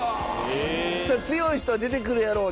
強い人は出てくるやろう。